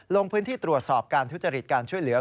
ลงพื้นที่ตรวจสอบการทุจริตการช่วยเหลือ